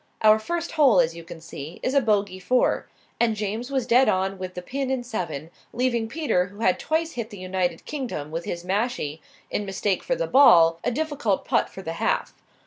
Our first hole, as you can see, is a bogey four, and James was dead on the pin in seven, leaving Peter, who had twice hit the United Kingdom with his mashie in mistake for the ball, a difficult putt for the half.